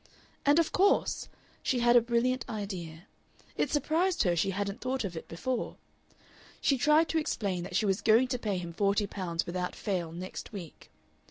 And of course! She had a brilliant idea. It surprised her she hadn't thought of it before! She tried to explain that she was going to pay him forty pounds without fail next week.